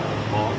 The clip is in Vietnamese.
những hóa trang